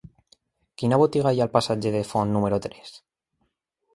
Quina botiga hi ha al passatge de Font número tres?